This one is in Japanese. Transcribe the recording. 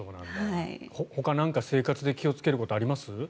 ほかに何か生活で気をつけることはあります？